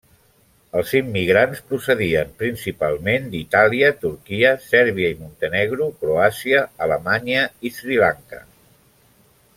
Els immigrants procedien principalment d'Itàlia, Turquia, Sèrbia i Montenegro, Croàcia, Alemanya i Sri Lanka.